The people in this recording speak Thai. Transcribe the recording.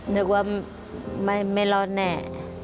นึกว่าไม่รอดแน่